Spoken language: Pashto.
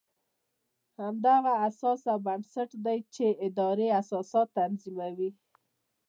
همدغه اساس او بنسټ دی چې ادارې اساسات تنظیموي.